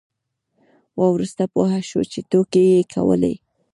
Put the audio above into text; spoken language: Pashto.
وروسته پوه شو چې ټوکې یې کولې.